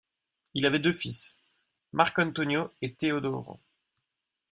Il avait deux fils, Marc'Antonio et Teodoro.